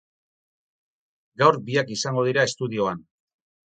Gaur biak izango dira estudioan.